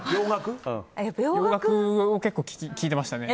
洋楽を結構聞いてましたね。